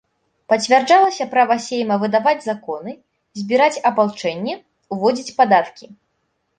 Пацвярджалася права сейма выдаваць законы, збіраць апалчэнне, уводзіць падаткі.